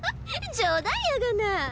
冗談やがな。